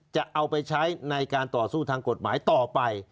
จะเอาไปใช้ในการต่อสู้ทางกฎหมายต่อไป